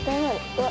うわ